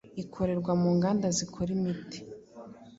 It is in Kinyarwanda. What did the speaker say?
ikorerwa mu nganda zikora imiti